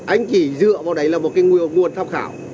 anh chỉ dựa vào đấy là một cái nguồn tham khảo